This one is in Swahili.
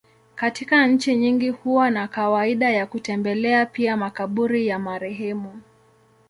Katika nchi nyingi huwa na kawaida ya kutembelea pia makaburi ya marehemu.